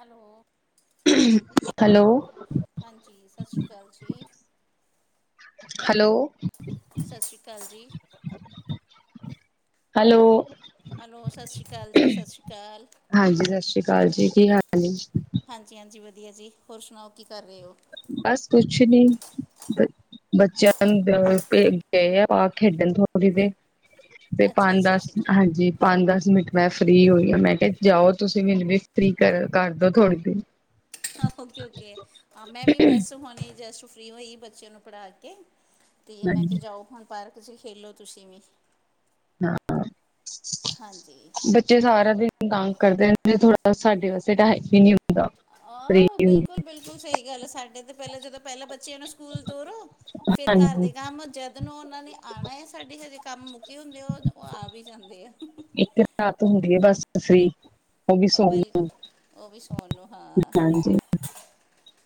Hello- hello- ਹਾਂਜੀ ਸਤਿ ਸ੍ਰੀ ਅਕਾਲ ਜੀ ਹੈਲੋ ਸਤਿ ਸ਼੍ਰੀ ਅਕਾਲ ਜੀ ਹੈਲੋ ਹੈਲੋ, ਸਤਿ ਸ਼੍ਰੀ ਅਕਾਲ ਜੀ ਸਤਿ ਸ਼੍ਰੀ ਅਕਾਲ ਹਾਂਜੀ, ਸਤਿ ਸ੍ਰੀ ਅਕਾਲ ਜੀ, ਕੀ ਹਾਲ ਏ ਹਾਂਜੀ-ਹਾਂਜੀ ਵਧੀਆ ਜੀ, ਹੋਰ ਸੁਣਾਓ ਕੀ ਕਰ ਰਹੇ ਹੋ। ਬਸ ਕੁਛ ਨੀ ਬੱਚਿਆਂ ਨੂੰ ਗਏ ਆ ਖੇਡਣ ਥੋੜ੍ਹੀ ਦੇ ਤੇ ਅੱਛਾ ਪੰਜ ਅੱਛਾ ਦਸ, ਅੱਛਾ ਹਾਂਜੀ ਪੰਜ ਦਸ ਮਿੰਟ ਮੈਂ ਫ੍ਰਰੀ ਹੋਈ ਆ, ਮੈਂ ਕਿਹਾ ਜਾਓ ਤੁਸੀਂ ਮੈਨੂੰ ਵੀ ਫਰੀ ਕਰ ਕਰ ਦੋ ਥੋੜ੍ਹੇ ਦਿਨ। [inaudible] ਓਕੇ-ਓਕੇ, ਆ ਮੈਂ ਵੀ ਬਸ ਹੁਣੇ ਜਸਟ ਫਰੀ ਹੋਈ ਬੱਚਿਆਂ ਨੂੰ ਪੜ੍ਹਾ ਕੇ। ਤੇ, ਮੈਂ ਹਾਂਜੀ ਕਿਹਾ ਜਾਓ ਹੁਣ ਪਾਰਕ 'ਚ ਖੇਲੋ ਤੁਸੀਂ ਵੀ। ਹਾਂ, ਬੱਚ ਹਾਂਜੀ ਬੱਚੇ ਸਾਰਾ ਦਿਨ ਤੰਗ ਕਰਦੇ ਰਹਿੰਦੇ ਥੋੜਾ, ਸਾਡੇ ਵਾਸਤੇ ਟਾਈਮ ਹੀ ਨਹੀਂ ਹੁੰਦਾ। ਫ੍ਰੀ ਆਹ, ਬਿਲਕੁਲ ਬਿਲਕੁਲ ਸਹੀ ਗੱਲ ਸਾਡੇ ਤੇ ਪਹਿਲਾਂ ਜਦੋਂ ਪਹਿਲਾਂ ਬੱਚਿਆਂ ਨੂੰ ਸਕੂਲ ਤੋਰੋ। ਫੇਰ ਘਰ ਹਾਂਜੀ ਦੇ ਕੰਮ ਜਦ ਜਦੋਂ ਉਹਨਾਂ ਨੇ ਆਉਣਾ ਏ ਸਾਡੇ ਹਜੇ ਕੰਮ ਮੁੱਕੇ ਹੁੰਦੇ ਆ, ਉਹ ਆ ਵੀ ਜਾਂਦੇ ਆ। ਇੱਕ ਰਾਤ ਹੁੰਦੀ ਹੈ, ਬਸ ਸਹੀ ਅਭਲ, ਉਹ ਵੀ ਸੋਣ ਨੂੰ ਹਾਂ। ਹਾਂਜੀ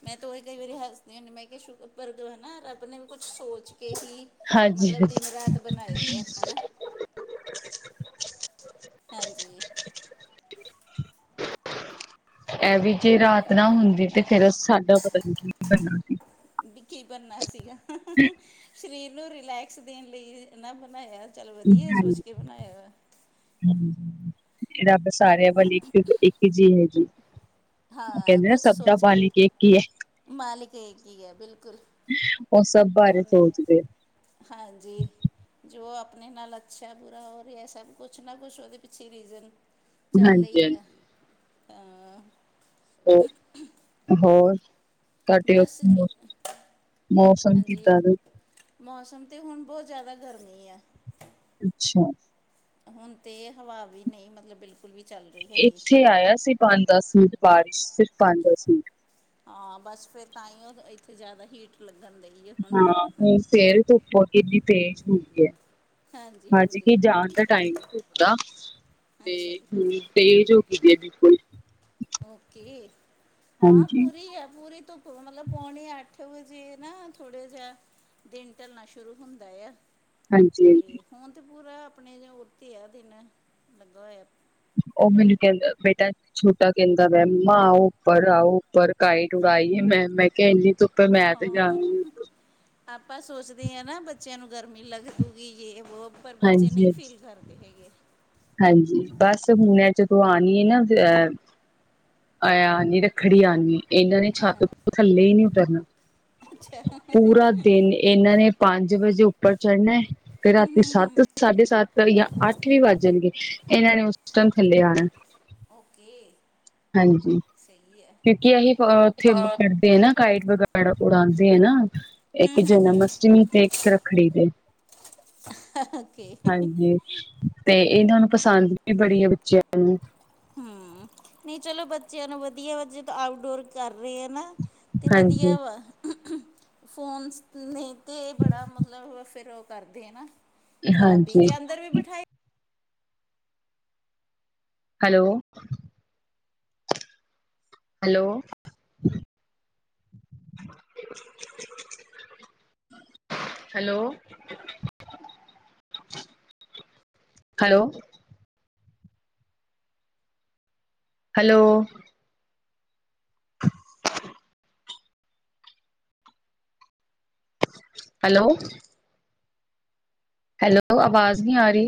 ਮੈਂ ਤੇ ਉਹੀ ਕਈ ਵਾਰੀ ਹੱਸਦੀ ਹੁੰਦੀ, ਮੈਂ ਕਿਹਾ ਰੱਬ ਨੇ ਕੁੱਛ ਸੋਚ ਕੇ ਹੀ ਮਤਲਬ ਹਾਂਜੀ ਦਿਨ ਰਾਤ ਬਣਾਏ ਆ, ਹਨਾ ਹਾਂਜੀ। ਇਹ ਵੀ ਜੇ ਰਾਤ ਨਾ ਹੁੰਦੀ, ਤੇ ਫਿਰ ਸਾਡਾ ਪਤਾ ਨੀ ਕੀ ਬਣਨਾ ਸੀ। ਕੀ ਭਣਨਾ ਸੀਗਾ। ਸਰੀਰ ਨੂੰ ਰਿਲੈਕਸ ਦੇਣ ਲਈ ਨਾ ਬਣਾਇਆ ਚਲ ਵਧੀਆ ਸੋਚ ਕੇ ਬਣਾਇਆ ਵਾ। ਹਾਂਜੀ, ਰੱਬ ਸਾਰਿਆਂ ਵੱਲ ਇੱਕ-ਇ ਜੀ ਹੈ ਜੀ, ਉਹ ਹਾਂ ਕਹਿੰਦੇ ਕੁਝ ਸਬਦਾ ਸੋਚ ਕੇ ਮਾਲਿਕ ਏਕ ਹੀ ਹੈ। ਮਾਲਿਕ ਏਕ ਹੀ ਹੈ, ਬਿਲਕੁਲ ਉਹ ਸਭ ਬਾਰੇ ਉਹ ਨੇ ਸੋਚਦੇ। ਹਾਂਜੀ। ਜੋ ਆਪਣੇ ਨਾਲ ਅੱਛਾ ਬੁਰਾ ਹੋ ਰਿਹਾ ਸਭ ਕੁਛ ਨਾ ਕੁਛ ਉਹਦੇ ਪਿੱਛੇ ਰੀਜ਼ਨ ਚੱਲਦੇ ਹਾਂਜੀ ਹੀ ਹਾਂਜੀ ਆ ਹਾਂ। ਓਹ ਹੋ ਹੋਰ ਤੁਹਾਡੇ ਬਸ ਉਥੇ ਮੌਸਮ ਹਾਂਜੀ ਕਿੱਦਾਂ ਦੇ ਮੌਸਮ ਤੇ ਹੁਣ ਬਹੁਤ ਜ਼ਿਆਦਾ ਗਰਮੀ ਆ। ਅੱਛਾ। ਹੁਣ ਤੇ ਹਵਾ ਵੀ ਨਹੀਂ ਮਤਲਬ ਬਿਲਕੁਲ ਵੀ ਚੱਲ ਰਹੀ ਹੈਗੀ। ਇੱਥੇ ਆਇਆ ਸੀ। ਪਾਉਦਾ ਸੂਟ ਬਾਰਿਸ਼ ਸਿਰਫ਼ ਪਾਉਦਾ ਸੂਟ। ਹਾਂ ਬਸ ਫਿਰ ਤਾਂ ਹੀ ਉਹ ਇੱਥੇ ਜ਼ਿਆਦਾ ਹੀਟ ਲੱਗਣ ਦੇ। ਹਾਂ ਹੁਣ ਫੇਰ ਧੁੱਪੋ ਕਿਨੀ ਤੇਜ਼ ਹੁੰਦੀ ਹੈ। ਹਾਂਜੀ ਕੀ ਜਾਣ ਦਾ ਟਾਈਮ ਨਹੀਂ ਚੁੱਕਦਾ ਅੱਛਾ ਤੇ ਜੀ ਹ ਤੇਜ ਜ ਕੋਈ ਓਕੇ, ਹਾਂ ਹਾਂਜੀ ਪੂਰੀ ਹੈ, ਪੂਰੀ ਧੁਪ ਮਤਲਬ, ਪੌਣੇ ਅੱਠ ਵਜੇ ਨਾ ਥੋੜੇ ਜਿਹਾ ਦਿਨ ਢਲਣਾ ਸ਼ੁਰੂ ਹੁੰਦਾ ਆ। ਹਾਂਜੀ-ਹਾਂਜੀ ਤੇ, ਹੁਣ ਤੇ ਪੂਰਾ ਆਪਣੇ ਉੱਤੇ ਆ ਦਿਨ ਲੱਗਾ ਹੋਇਆ। ਉਹ ਕੱਟੜ ਮੈਨੂੰ ਕਹਿੰਦਾ, ਬੇਟਾ ਛੋਟਾ ਕਹਿੰਦਾ ਮੰਮਾ, ਆਓ ਉਪਰ ਆਓ ਉਪਰ ਕਾਈਟ ਉਡਾਈਏ। ਇੰਨੀ ਧੁੱਪੇ ਮੈਂ ਤੇ ਜਾਨਾ ਹਾਂ ਨਿ ਆਪਾਂ ਸੋਚਦੇ ਹਾਂ ਨਾ ਬੱਚਿਆਂ ਨੂੰ ਗਰਮੀ ਲੱਗੂਗੀ ਜੇ ਵੋ ਪਰ ਬੱਚੇ ਨਹੀਂ ਹਾਂਜੀ-ਹਾਂਜੀ ਫੀਲ ਕਰਦੇ। ਦੇਖੇ ਗੇ ਹਾਂਜੀ ਬਸ ਹੁਣ ਜਦੋਂ ਆਉਣੀ ਹੈ ਨਾ ਅਹ ਆਆ ਆਨੀ ਰੱਖੜੀ ਆਉਂਨੀ। ਇਹਨਾਂ ਨੇ ਛਾਤ ਤੋਂ ਥੱਲੇ ਹੀ ਨਹੀਂੀ ਉਤਰਨਾ ਅੱਛਾ ਪੂਰਾ ਦਿਨ ਇਹਨਾਂ ਨੇ ਪੰਜ ਵਜੇ ਉੱਪਰ ਚੜ੍ਹਨਾ ਤੇ ਰਾਤੀ ਸੱਤ ਸਾਢੇ ਸੱਤ ਜਾਂ ਅੱਠ ਵੀ ਵੱਜ ਜਾਣਗੇ ਇਹਨਾਂ ਨੇ ਉਸ ਟਾਈਮ ਥੱਲੇ ਆਣਾ। ਓਕੇ। ਹਾਂਜੀ ਸਹੀ ਹੈ ਕਿਉਂਕਿ ਇਹ ਉੱਥੇ ਕਡੇ ਨਾ ਕਾਇਟ ਵਗੈਰਾ। ੜ ਉਡਾਉਂਦੇ ਆ ਨਾ ਇੱਕ ਜਨਮ ਅਸ਼ਟਮੀ ਤੇ ਇੱਕ ਰੱਖੜੀ ਦੇ। ਓਕੇ। ਹਾਂਜੀ ਤੇ ਇਹਨਾਂ ਨੂੰ ਪਸੰਦ ਵੀ ਬੜੀ ਆ ਬੱਚਿਆਂ ਨੂੰ। ਹਮ ਨਹੀਂ ਚਲੋ ਬੱਚਿਆਂ ਨੂੰ ਵਧੀਆ ਵਾ ਜੇ ਆਊਟਡੋਰ ਕਰ ਰਹੇ ਆ ਨਾ ਅਤੇ ਹਾਂਜੀ ਵਧੀਆ ਵਾ ਫੋਨਸ ਨੇ ਤਾਂ ਬੜਾ ਮਤਲਬ ਫਿਰ ਕਰਦੇ ਆ ਨਾ ਖ਼ਰਾਬੀ ਹਾਂਜੀ ਜੇ ਅੰਦਰ ਵੀ ਬਿਠਾਈ hello. Hello. [unintelligible] Hello. Hello. Hello. Hello. Hello ਆਵਾਜ਼ ਨਹੀਂ ਆ ਰਹੀ।